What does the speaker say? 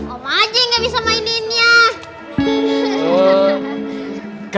om aji gak bisa maininnya